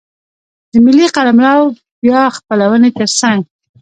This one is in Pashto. د ملي قلمرو بیا خپلونې ترڅنګ.